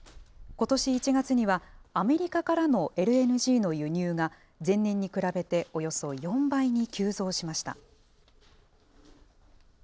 ことし１月には、アメリカからのＬＮＧの輸入が、前年に比べておよそ４倍に急増しました。